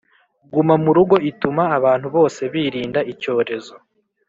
guma murugo ituma abantu bose birinda icyorezo